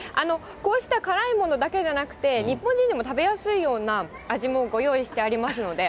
こうした辛いものだけじゃなくて、日本人でも食べやすいような味もご用意してありますので。